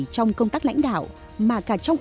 trong công tác lãnh đạo mà cả trong